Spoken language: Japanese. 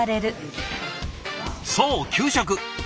そう給食。